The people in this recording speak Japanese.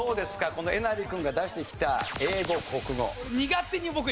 このえなり君が出してきた英語国語。